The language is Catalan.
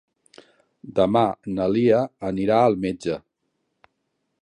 Demà na Lia anirà al metge.